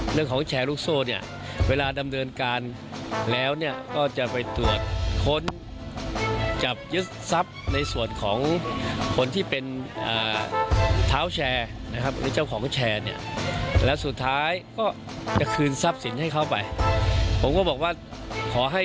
แชร์ลูกโซ่เนี่ยเวลาดำเนินการแล้วเนี่ยก็จะไปตรวจค้นจับยึดทรัพย์ในส่วนของคนที่เป็นเท้าแชร์นะครับหรือเจ้าของแชร์เนี่ยแล้วสุดท้ายก็จะคืนทรัพย์สินให้เขาไปผมก็บอกว่าขอให้